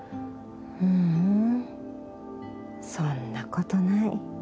ううんそんなことない。